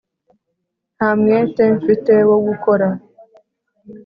nta mwete mfite wo gukora